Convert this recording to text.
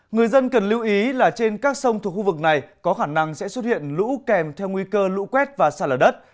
người dân cần lưu ý là trên các sông thuộc khu vực này có khả năng sẽ xuất hiện lũ kèm theo nguy cơ lũ quét và xa lở đất